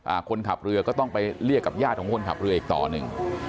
คนขับเรือก็ต้องไปเรียกกับญาติของคนขับเรืออีกต่อหนึ่ง